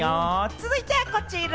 続いては、こちら。